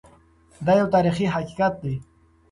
دا یو تاریخي حقیقت دی.